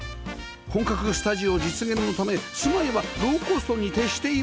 本格スタジオ実現のため住まいはローコストに徹しています